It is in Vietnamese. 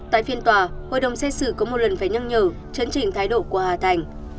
tại phiên tòa hội đồng xét xử có một lần phải nhắc nhở chấn trình thái độ của hà thành